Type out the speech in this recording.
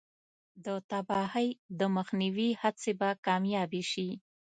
د تباهۍ د مخنیوي هڅې به کامیابې شي.